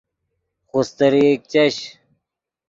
خوستریک چش